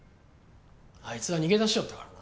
あいつは逃げ出しよったからな。